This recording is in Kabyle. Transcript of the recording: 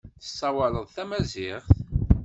Tessawaleḍ tamaziɣt?